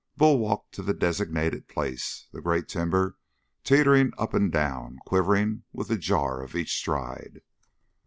Bull walked to the designated place, the great timber teetering up and down, quivering with the jar of each stride.